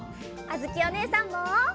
あづきおねえさんも！